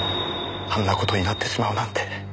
あんな事になってしまうなんて。